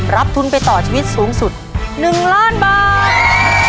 รับทุนไปต่อชีวิตสูงสุด๑ล้านบาท